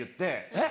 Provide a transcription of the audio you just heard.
えっ？